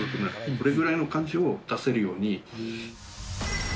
これぐらいの感じを出せるように。